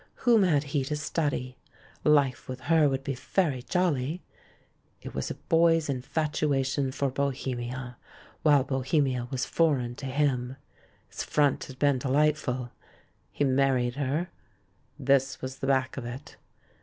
Whom had he to study? Life with her would be "very jolly"! It was a boy's in fatuation for bohemia, while bohemia was foreign to him. Its front had been delightful. He mar ried her. This was the back of it.